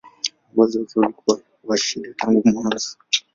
Uongozi wake ulikuwa wa shida tangu mwanzo.